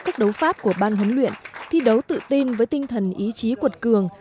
các đấu pháp của ban huấn luyện thi đấu tự tin với tinh thần ý chí cuột cường